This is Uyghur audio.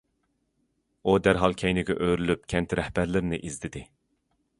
ئۇ دەرھال كەينىگە ئۆرۈلۈپ، كەنت رەھبەرلىرىنى ئىزدىدى.